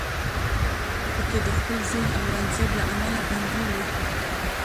په کې د خپل زوی اورنګزیب له امله بندي و